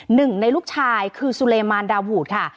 หนึ่งในลูกชายคือสุเลมานดาวูดค่ะ